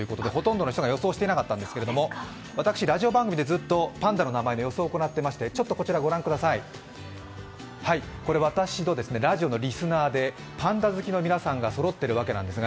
ほとんどの人が予想してなかったんですが、私、ラジオ番組でずっとパンダの名前の予想を行っていまして、私のラジオのリスナーでパンダ好きの皆さんがそろっているんですが